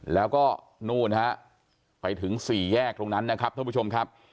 แล้วก็นู่นฮะไปถึงสี่แยกตรงนั้นนะครับท่านผู้ชมครับ